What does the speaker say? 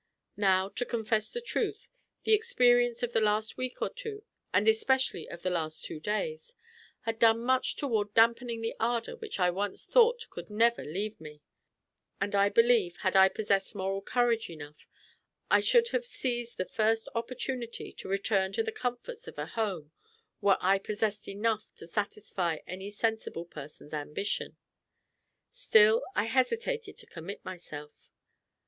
Now, to confess the truth, the experience of the last week or two, and especially of the last two days, had done much toward dampening the ardor which I once thought could never leave me; and I believe, had I possessed moral courage enough, I should have seized the first opportunity to return to the comforts of a home, where I possessed enough to satisfy any sensible person's ambition. Still I hesitated to commit myself.